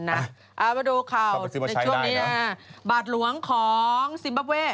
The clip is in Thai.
เอามาดูข่าวในช่วงนี้บาทหลวงของซิมบาเว่